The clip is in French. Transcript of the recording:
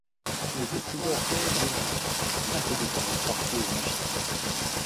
S'il était plus lourd que le livre, il était déclaré sorcier ou magicien.